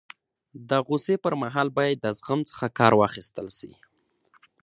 د غوصي پر مهال باید د زغم څخه کار واخستل سي.